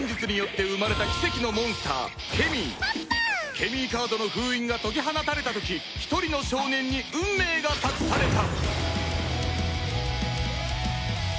ケミーカードの封印が解き放たれた時一人の少年に運命が託された